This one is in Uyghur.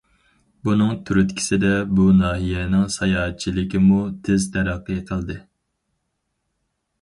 بۇنىڭ تۈرتكىسىدە، بۇ ناھىيەنىڭ ساياھەتچىلىكىمۇ تېز تەرەققىي قىلدى.